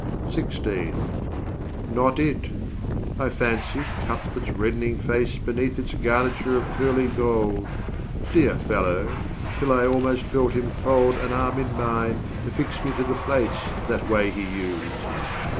90 Not it! I fancied Cuthbert's reddening face Beneath its garniture of curly gold, Dear fellow, till I almost felt him fold An arm in mine to fix me to the place, That way he used.